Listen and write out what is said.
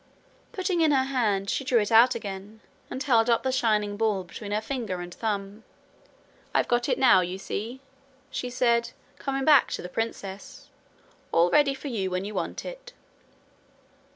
Putting in her hand, she drew it out again and held up the shining ball between her finger and thumb. 'I've got it now, you see,' she said, coming back to the princess, 'all ready for you when you want it.'